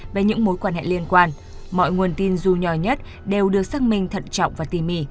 về những mối quan hệ liên quan mọi nguồn tin dù nhỏ nhất đều được xác minh thận trọng và tỉ mỉ